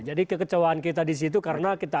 jadi kekecewaan kita disitu karena kita